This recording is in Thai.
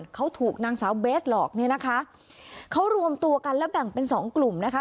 เขาถูกนางสาวเบสหลอกเนี่ยนะคะเขารวมตัวกันแล้วแบ่งเป็นสองกลุ่มนะคะ